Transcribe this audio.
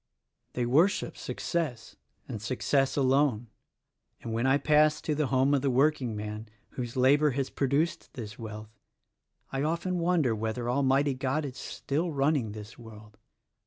They worship success, and success alone; and when I pass to the home of the workingman, whose labor has produced this wealth, I often wonder whether Almighty God is still running this world."